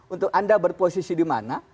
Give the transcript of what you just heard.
untuk anda berposisi di mana